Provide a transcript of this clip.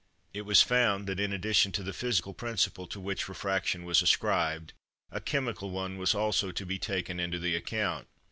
It was found that, in addition to the physical principle to which refraction was ascribed, a chemical one was also to be taken into the account.